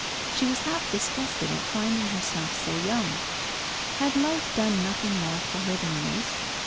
She was half disgusted at finding herself so young. Had life done nothing more for her than this?